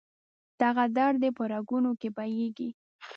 دغه درد دې په رګونو کې بهیږي